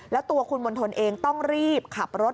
แล้วตัวคุณมณฑลเองต้องรีบขับรถ